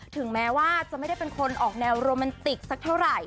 ถึงแม้ว่าจะไม่ได้เป็นคนออกแนวโรแมนติกสักเท่าไหร่